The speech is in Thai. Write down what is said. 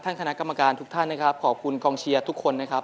คณะกรรมการทุกท่านนะครับขอบคุณกองเชียร์ทุกคนนะครับ